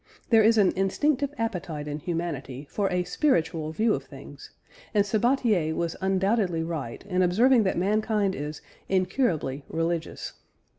There is an instinctive appetite in humanity for a spiritual view of things, and Sabatier was undoubtedly right in observing that mankind is "incurably religious."